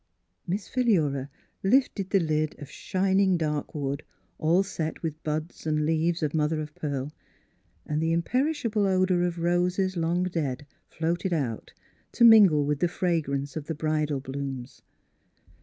Miss Philura lifted the lid of shining Miss Fhilura^s Wedding Gown dark wood, all set with buds and leaves of mother of pearl, and the imperishable odour of roses long dead floated out to mingle with the fragrance of the bridal blooms.